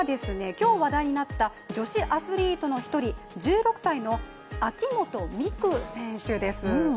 今日話題になった、女子アスリートの１人１６歳の秋本美空選手です。